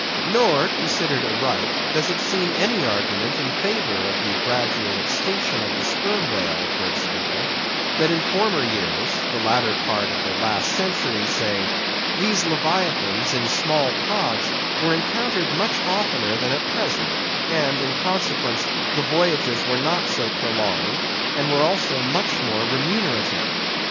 Nor, considered aright, does it seem any argument in favour of the gradual extinction of the Sperm Whale, for example, that in former years (the latter part of the last century, say) these Leviathans, in small pods, were encountered much oftener than at present, and, in consequence, the voyages were not so prolonged, and were also much more remunerative.